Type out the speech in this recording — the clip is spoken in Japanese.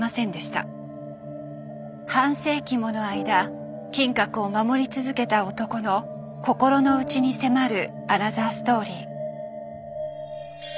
半世紀もの間金閣を守り続けた男の心の内に迫るアナザーストーリー。